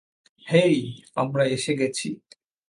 হেই, আমরা এসে গেছি।